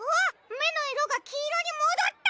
めのいろがきいろにもどった！